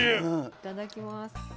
いただきます。